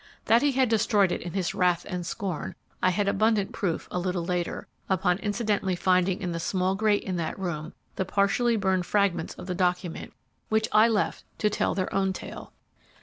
That he had destroyed it in his wrath and scorn I had abundant proof a little later, upon incidentally finding in the small grate in that room the partially burned fragments of the document, which I left to tell their own tale.